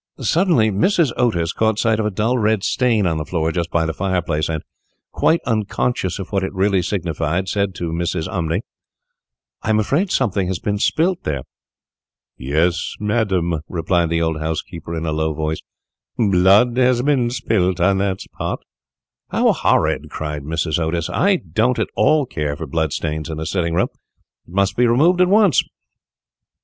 Suddenly Mrs. Otis caught sight of a dull red stain on the floor just by the fireplace, and, quite unconscious of what it really signified, said to Mrs. Umney, "I am afraid something has been spilt there." "Yes, madam," replied the old housekeeper in a low voice, "blood has been spilt on that spot." [Illustration: "BLOOD HAS BEEN SPILLED ON THAT SPOT"] "How horrid!" cried Mrs. Otis; "I don't at all care for blood stains in a sitting room. It must be removed at once."